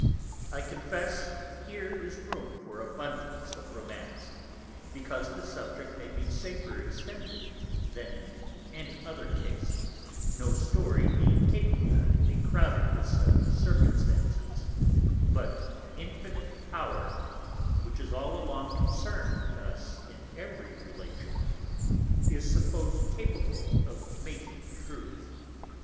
_ _I confess here is room for abundance of Romance, because the Subject may be safer extended than in any other case, no Story being capable to be crowded with such Circumstances, but Infinite Power, which is all along concern'd with us in every Relation, is suppos'd capable of making true.